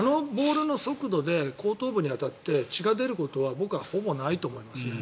あのボールの速度で後頭部に当たって血が出ることはないと思いますね。